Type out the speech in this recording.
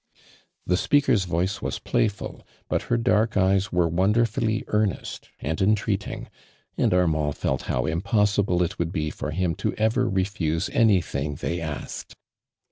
The speaker's voice was playful, but her dark eyes were wonderfully oainest afid ontreatin^^ and Armand felt how impossi ble it would bo for him to ever refuse any thing they asked.